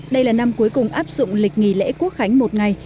đây là năm cuối cùng áp dụng lịch nghỉ lễ quốc khánh một ngày